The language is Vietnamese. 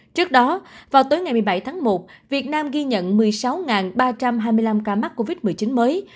trước đó vào tối ngày một mươi bảy tháng một việt nam ghi nhận một mươi sáu ba trăm hai mươi năm ca mắc covid một mươi chín mới